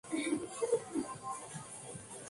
Por esta razón se la ha denominado "flor cadáver".